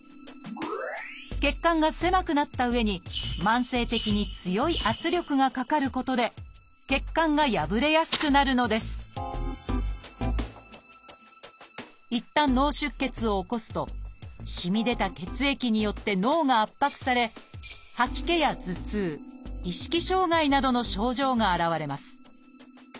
血管が狭くなったうえに慢性的に強い圧力がかかることで血管が破れやすくなるのですいったん脳出血を起こすとしみ出た血液によって脳が圧迫されなどの症状が現れます。